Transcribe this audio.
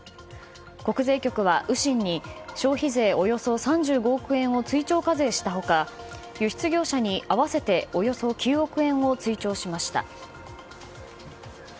国税局は雨辰に消費税およそ３５億円を追徴課税した他、輸出業者に合わせて９億円を追徴しました。